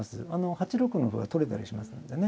８六の歩は取れたりしますんでね。